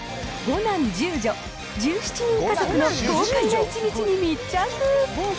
５男１０女、１７人家族の豪快な一日に密着。